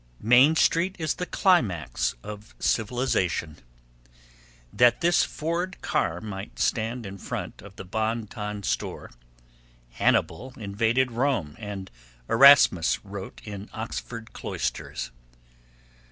Main Street is the climax of civilization. That this Ford car might stand in front of the Bon Ton Store, Hannibal invaded Rome and Erasmus wrote in Oxford cloisters.